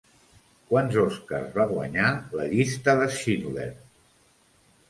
Quants Oscars va guanyar La llista de Schindler?